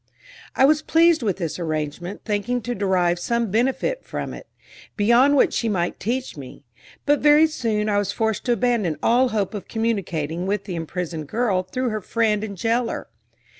I was pleased with this arrangement, thinking to derive some benefit from it, beyond what she might teach me; but very soon I was forced to abandon all hope of communicating with the imprisoned girl through her friend and jailer.